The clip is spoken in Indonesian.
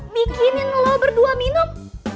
bikinin lo berdua minum